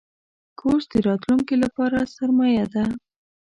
کورس د راتلونکي لپاره سرمایه ده.